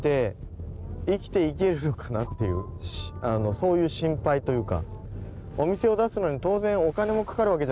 そういう心配というか。